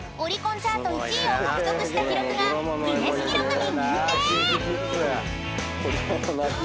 チャート１位を獲得した記録がギネス記録に認定！］